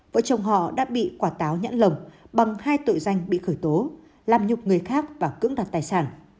vợ chồng họ đã bị quả táo nhãn lồng bằng hai tội danh bị khởi tố làm nhục người khác và cưỡng đoạt tài sản